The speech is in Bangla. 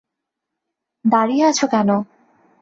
দাঁড়িয়ে আছো কেন?